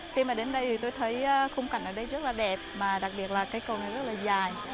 khi mà đến đây thì tôi thấy khung cảnh ở đây rất là đẹp mà đặc biệt là cây cầu này rất là dài